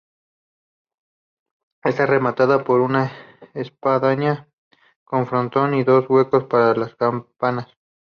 Está rematada por una espadaña con frontón y dos huecos para las campanas.